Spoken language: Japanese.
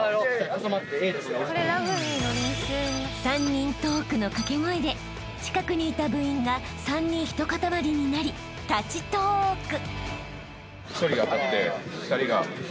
［「３人トーク」の掛け声で近くにいた部員が３人ひとかたまりになり立ちトーーク！］